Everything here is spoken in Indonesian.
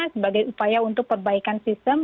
sebagai upaya untuk perbaikan sistem